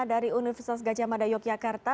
dari universitas gajah mada yogyakarta